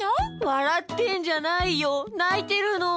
わらってんじゃないよないてるの！